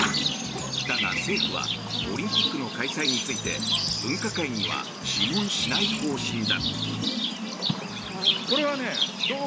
だが、政府はオリンピックの開催について分科会には諮問しない方針だ。